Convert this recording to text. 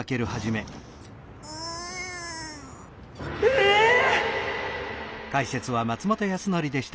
・うん。えっ！？